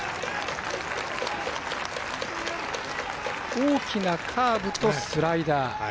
大きなカーブとスライダー。